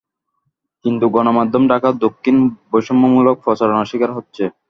কিন্তু গণমাধ্যমে ঢাকা দক্ষিণ বৈষম্যমূলক প্রচারণার শিকার হচ্ছে।